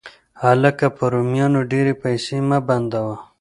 هلکه! په رومیانو ډېرې پیسې مه بندوه